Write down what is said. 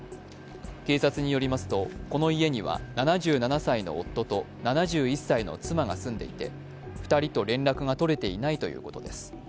警察によりますとこの家には７７歳の夫と７１歳の妻が住んでいて２人と連絡が取れていないということです。